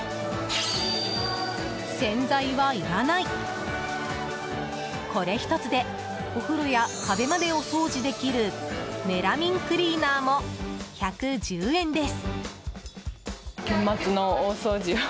洗剤はいらない、これ１つでお風呂や壁までお掃除できるメラミンクリーナーも１１０円です。